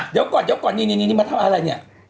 เดี๋ยวก่อนนี้มาทำอะไรเนี่ย